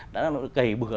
đã cày bừa